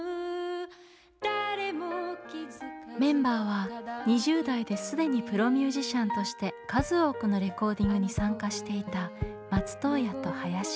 メンバーは２０代で既にプロミュージシャンとして数多くのレコーディングに参加していた松任谷と林。